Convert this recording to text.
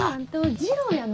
次郎やな。